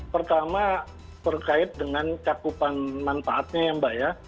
pertama terkait dengan cakupan manfaatnya ya mbak ya